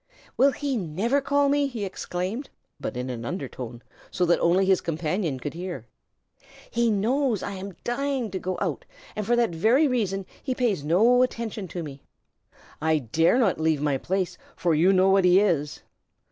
"Will he never call me?" he exclaimed, but in an undertone, so that only his companion could hear. "He knows I am dying to go out, and for that very reason he pays no attention to me. I dare not leave my place, for you know what he is."